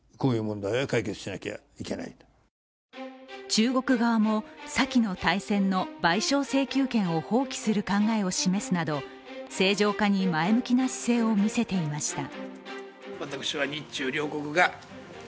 中国側も、さきの大戦の賠償請求権を放棄する考えを示すなど正常化に前向きな姿勢を見せていました。